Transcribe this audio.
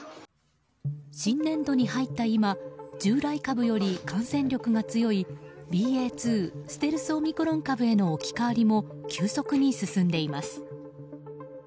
新年度に入った今従来株より感染力が強いＢＡ．２ステルスオミクロン株への置き換わりも急速に進んでいます。